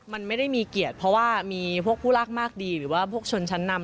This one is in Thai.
มันไม่ได้มีเกียรติเพราะว่ามีพวกผู้รากมากดีหรือว่าพวกชนชั้นนำ